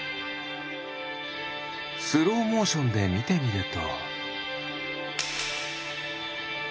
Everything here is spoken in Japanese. スローモーションでみてみると。